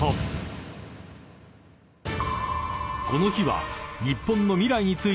［この日は］